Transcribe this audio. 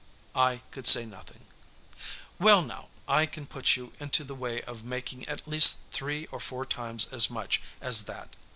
I could say nothing. "Well, now, I can put you into the way of making at least three or four times as much as that.